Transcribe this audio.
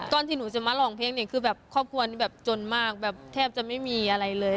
ที่หนูจะมาร้องเพลงเนี่ยคือแบบครอบครัวนี้แบบจนมากแบบแทบจะไม่มีอะไรเลย